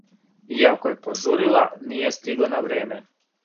Иако је пожурила, није стигла на време.